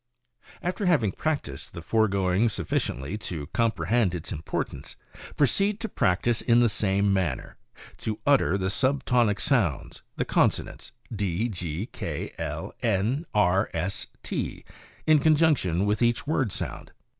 After having practiced the foregoing sufficiently to comprehend its importance, proceed to practice in the same manner, to utter the sub tonic sounds, the consonants D, G , K, L, N, B, S, T, in con junction with each word sound.